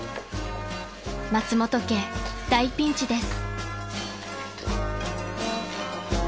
［松本家大ピンチです］